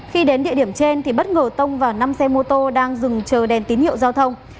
khi đến địa điểm trên thì bất ngờ tông vào năm xe mô tô đang dừng chờ đèn tín hiệu giao thông